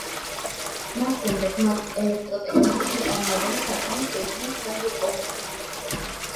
ამის შემდეგ მათ ელექტროტექნიკის მწარმოებელი ქარხანა შეიძინეს ჰონგ-კონგში.